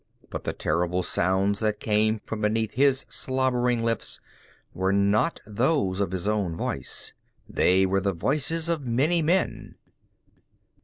But the terrible sounds that came from between his slobbering lips were not those of his own voice, they were the voices of many men.